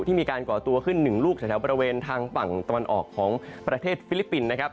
ที่มีการก่อตัวขึ้นหนึ่งลูกแถวบริเวณทางฝั่งตะวันออกของประเทศฟิลิปปินส์นะครับ